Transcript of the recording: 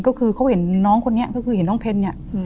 ก็คือเขาเห็นน้องคนนี้ก็คือเห็นน้องเพนเนี่ย